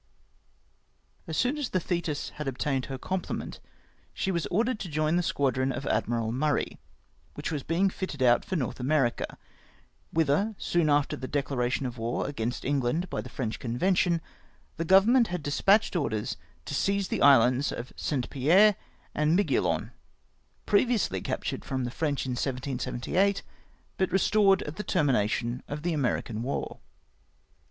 As soon as the Jlietis had obtained her complement, slie was ordered to join the squadron of Admiral Murray, wliich was being fitted out for North America ; wliither, soon after the declaration of war against England by the French Convention, the Government had despatched orders to seize the islands of St. Pierre and ]\iiguilon, previously captured from the French in 1778, but restored at the termination of the American war.